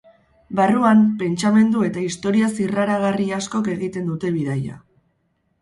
Barruan, pentsamendu eta historia zirraragarri askok egiten dute bidaia.